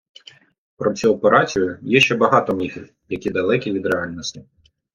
Про цю операцію є ще багато міфів, які далекі від реальності.